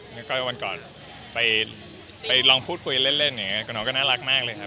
ไม่ค่อยวันก่อนไปลองพูดคุยเล่นอย่างนี้กับน้องก็น่ารักมากเลยครับ